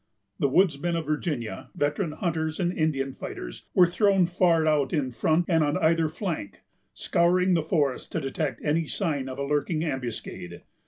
The woodsmen of Virginia, veteran hunters and Indian fighters, were thrown far out in front and on either flank, scouring the forest to detect any sign of a lurking ambuscade.